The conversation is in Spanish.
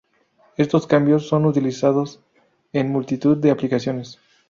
Estos cambios son utilizados en multitud de aplicaciones.